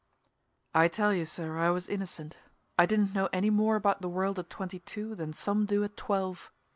I tell you sir, I was innocent. I didn't know any more about the world at twenty two than some do at twelve.